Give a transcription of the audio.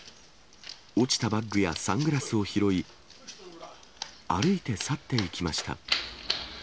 落ちたバッグやサングラスを拾い、歩いて去っていきました。